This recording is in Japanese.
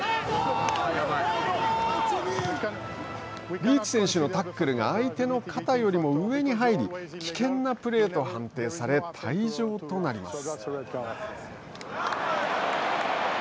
リーチ選手のタックルが相手の肩より上に入り危険なプレーと判定され退場となります。